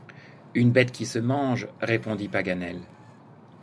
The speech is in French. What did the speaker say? Une bête qui se mange, répondit Paganel.